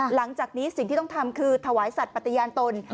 หลังจากนี้สิ่งที่ต้องทำคือถวายสัตว์ปฏิญาณตน